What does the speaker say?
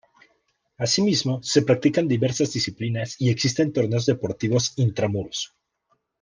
Asimismo, se practican diversas disciplinas y existen torneos deportivos intramuros.